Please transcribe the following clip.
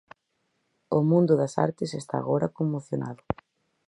O mundo das artes está agora conmocionado.